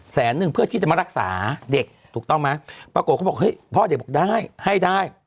แสนนึงเพื่อที่จะมารักษาเด็กถูกต้องไหมปรากฏเขาบอกเฮ้ยพ่อเด็กบอกได้ให้ได้